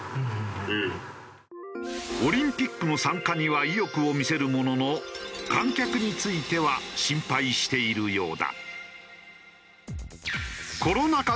オリンピックの参加には意欲を見せるものの観客については心配しているようだ。